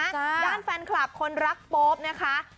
ด้านแฟนคลับคนรักโป๊ปนะคะ